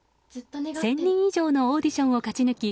１０００人以上のオーディションを勝ち抜き